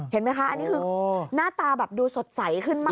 เห็นไหมคะอันนี้คือหน้าตาแบบดูสดใสขึ้นมาก